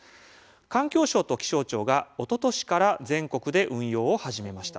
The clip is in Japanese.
環境省と気象庁がおととしから全国で運用を始めました。